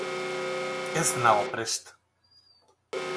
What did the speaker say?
Ez nago prest.